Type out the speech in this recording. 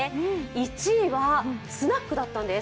１位は、スナックだったんです。